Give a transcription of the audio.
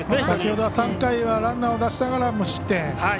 先ほどは３回はランナーを出しながら無失点。